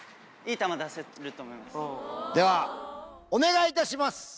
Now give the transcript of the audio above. ではお願いいたします！